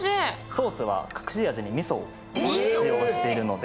ソースは隠し味にみそをしようしているので。